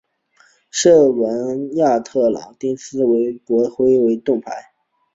圣文森特和格林纳丁斯国徽为盾徽。